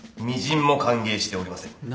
みじんも歓迎しておりません。